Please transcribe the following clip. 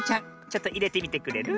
ちょっといれてみてくれる？